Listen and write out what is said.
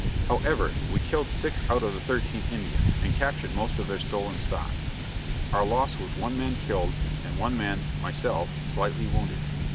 However, we killed six out of the thirteen Indians, and captured most of their stolen stock. Our loss was one man killed, and one man myself slightly wounded.